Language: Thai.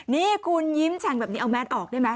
นี่คุณยิ้มแฉ่งแบบนี้เอาแมสออกได้ไหม